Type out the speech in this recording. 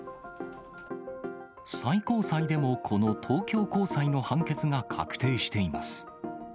最高裁でもこの東京高裁の判決が確定しています。